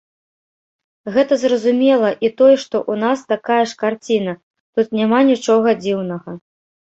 Гэта зразумела, і тое, што ў нас такая ж карціна, тут няма нічога дзіўнага.